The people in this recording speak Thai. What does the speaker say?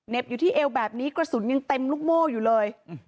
อยู่ที่เอวแบบนี้กระสุนยังเต็มลูกโม่อยู่เลย